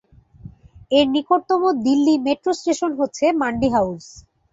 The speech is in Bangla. এর নিকটতম দিল্লি মেট্রো স্টেশন হচ্ছে মান্ডি হাউস।